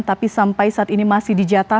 tapi sampai saat ini masih dijata